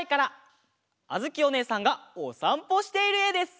あづきおねえさんがおさんぽしているえです！